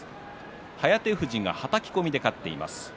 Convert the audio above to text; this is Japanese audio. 颯富士がはたき込みで勝っています。